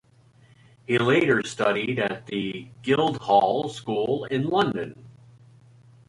He later studied at the Guildhall School in London.